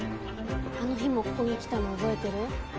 あの日もここに来たの覚えてる？